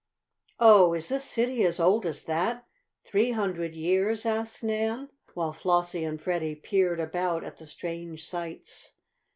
"Oh, is this city as old as that three hundred years?" asked Nan, while Flossie and Freddie peered about at the strange sights.